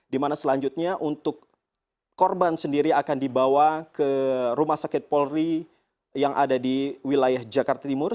di mana selanjutnya untuk korban sendiri akan dibawa ke rumah sakit polri yang ada di wilayah jakarta timur